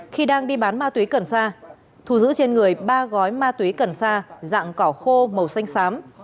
khi đang đi bán ma túy cần sa thù giữ trên người ba gói ma túy cần sa dạng cỏ khô màu xanh sám